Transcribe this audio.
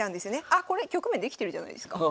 あっこれ局面できてるじゃないですか。